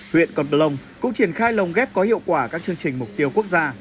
huyện con bà long cũng triển khai lồng ghép có hiệu quả các chương trình mục tiêu quốc gia